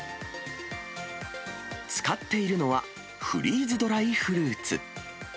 使っているのは、フリーズドライフルーツ。